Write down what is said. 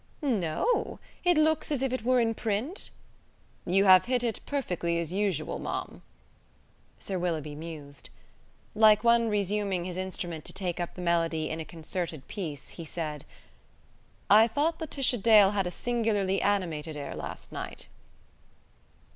"No; it looks as if it were in print." "You have hit it perfectly, as usual, ma'am." Sir Willoughby mused. Like one resuming his instrument to take up the melody in a concerted piece, he said: "I thought Laetitia Dale had a singularly animated air last night."